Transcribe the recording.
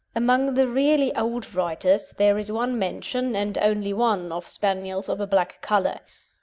Among the really old writers there is one mention, and one only, of Spaniels of a black colour.